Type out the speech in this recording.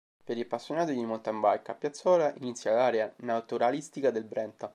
Per gli appassionati di mountain bike, a Piazzola, inizia l'Area naturalistica del Brenta.